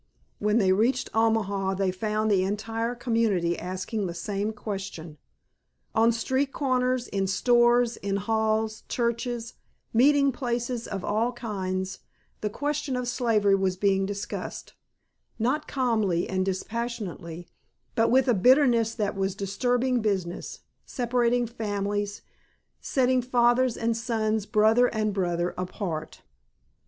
When they reached Omaha they found the entire community asking the same question. On street corners, in stores, in halls, churches, meeting places of all kinds the question of slavery was being discussed, not calmly and dispassionately, but with a bitterness that was disturbing business, separating families, setting father and sons, brother and brother apart.